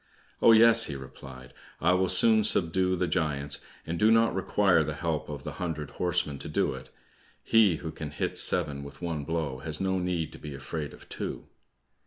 "Oh, yes," he replied, "I will soon subdue the giants, and do not require the help of the hundred horsemen to do it; he who can hit seven with one blow has no need to be afraid of two."